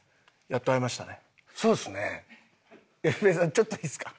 ちょっといいですか？